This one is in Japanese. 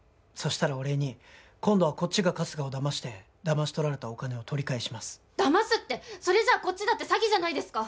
したらお礼に今度はこっちが春日をだましてだまし取られたお金を取り返します「だます」ってそれじゃこっちだって詐欺じゃないですか